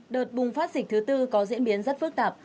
đợt bùng phát dịch thứ tư có diễn biến rất phức tạp